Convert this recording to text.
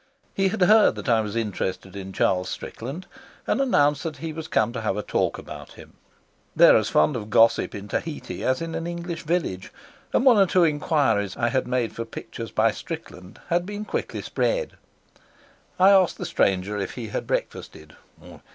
He had heard that I was interested in Charles Strickland, and announced that he was come to have a talk about him. They are as fond of gossip in Tahiti as in an English village, and one or two enquiries I had made for pictures by Strickland had been quickly spread. I asked the stranger if he had breakfasted.